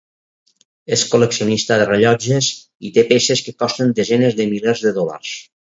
És col·leccionista de rellotges i té peces que costen desenes de milers de dòlars.